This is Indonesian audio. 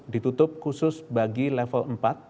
ditutup khusus bagi level empat